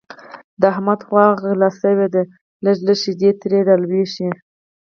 د احمد غوا غله شوې ده لږې لږې شیدې ترې را لوشي.